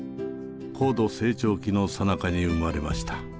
高度成長期のさなかに生まれました。